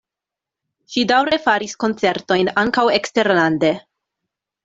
Ŝi daŭre faris koncertojn ankaŭ eksterlande.